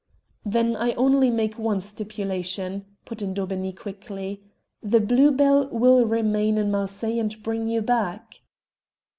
"Then I only make one stipulation," put in Daubeney quickly. "The Blue Bell will remain in Marseilles and bring you back."